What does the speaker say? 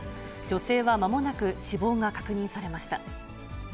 女性は間もなく死亡が確認されました。